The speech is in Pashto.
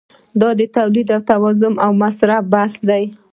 دا د تولید او توزیع او مصرف بحث دی.